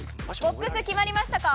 ボックス決まりましたか？